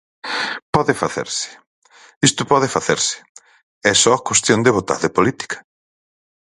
Pode facerse, isto pode facerse, é só cuestión de vontade política.